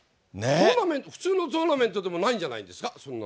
トーナメント、普通のトーナメントでもないんじゃないですか、そんなの。